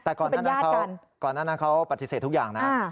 แต่ก่อนนั้นเขาปฏิเสธทุกอย่างนะครับ